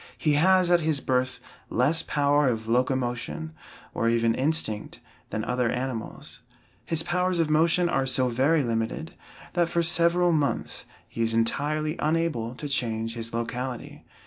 He has at his birth less power of locomotion, or even instinct, than other animals. His powers of motion are so very limited, that for several months he is entirely unable to change his locality.